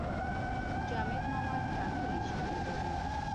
جامد مواد ټاکلی شکل لري.